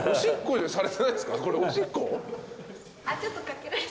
これおしっこ？